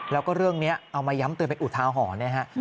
แล้วก็เรื่องนี้เอามาย้ำเตือนเป็นอุทาหรณ์นะฮะ